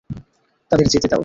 তাদের যেতে দাও।